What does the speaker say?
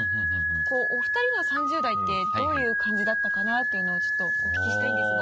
お二人の３０代ってどういう感じだったかなというのをちょっとお聞きしたいんですが。